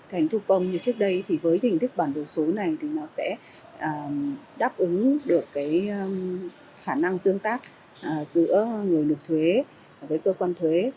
hình thức thủ công như trước đây thì với hình thức bản đồ số này thì nó sẽ đáp ứng được khả năng tương tác giữa người lực thuế với cơ quan thuế